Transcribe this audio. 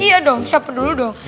iya dong siapin dulu dong